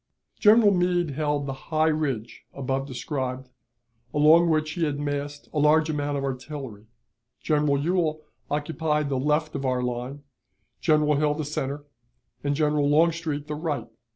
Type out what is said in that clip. General Meade held the high ridge above described, along which he had massed a large amount of artillery. General Ewell occupied the left of our line, General Hill the center, and General Longstreet the right.